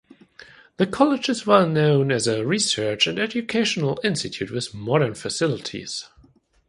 The college is well known as a research and educational institute with modern facilities.